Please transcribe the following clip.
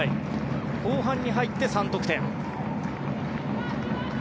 後半に入って３得点。